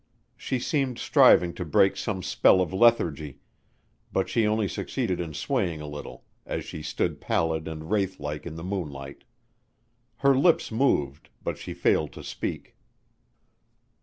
She seemed striving to break some spell of lethargy, but she only succeeded in swaying a little as she stood pallid and wraith like in the moonlight. Her lips moved, but she failed to speak.